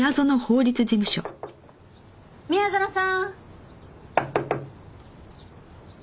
宮園さん。